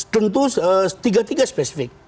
tentu tiga tiga spesifik